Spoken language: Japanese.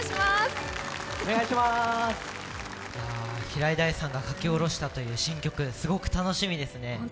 平井大さんが書き下ろしたという新曲、すごく楽しみですね。